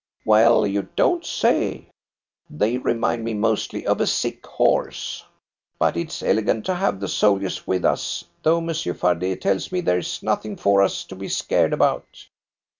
"Well, you don't say! They remind me mostly of a sick horse. But it's elegant to have the soldiers with us, though Monsieur Fardet tells me there's nothing for us to be scared about."